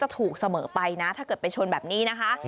ถูกเสมอไปนะถ้าเกิดไปชนแบบนี้นะคะ